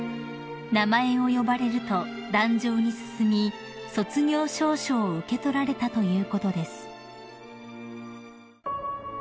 ［名前を呼ばれると壇上に進み卒業証書を受け取られたということです］